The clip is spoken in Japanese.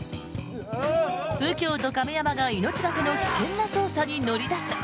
右京と亀山が命懸けの危険な捜査に乗り出す。